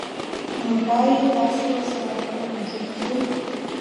نو ښايي تاسې ورسره خپل وجود کې